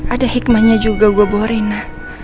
ada hikmahnya juga gua bo arena